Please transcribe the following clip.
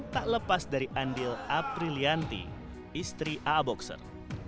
tak lepas dari andil aprilianti istri a boxer